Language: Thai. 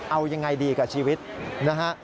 เอายังไงดีกับชีวิตนะฮะ